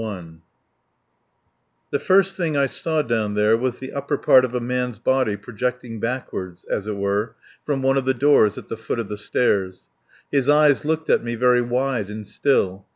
III The first thing I saw down there was the upper part of a man's body projecting backward, as it were, from one of the doors at the foot of the stairs. His eyes looked at me very wide and still.